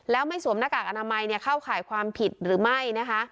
แล้วไม่สวมหน้ากากอนามัยเข้าข่ายความผิดหรือไม่นะคะ